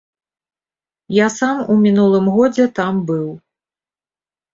Я сам у мінулым годзе там быў.